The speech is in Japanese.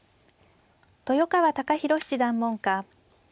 豊川孝弘七段門下。